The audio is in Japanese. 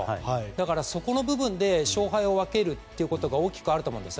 だからそこの部分で勝敗を分けるということも大きくあると思うんです。